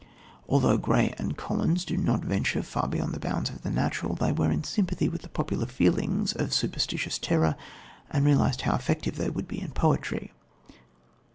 Although Gray and Collins do not venture far beyond the bounds of the natural, they were in sympathy with the popular feelings of superstitious terror, and realised how effective they would be in poetry.